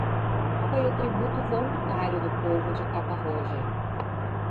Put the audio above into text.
Foi o tributo voluntário do povo de Catarroja.